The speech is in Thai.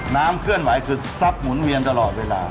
เคลื่อนไหวคือซับหมุนเวียนตลอดเวลา